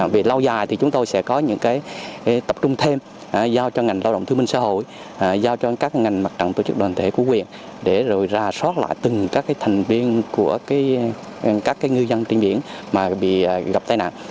về lâu dài thì chúng tôi sẽ có những tập trung thêm giao cho ngành lao động thương minh xã hội giao cho các ngành mặt trận tổ chức đoàn thể của quyền để rồi ra soát lại từng các thành viên của các ngư dân trên biển mà bị gặp tai nạn